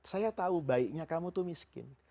saya tahu baiknya kamu itu miskin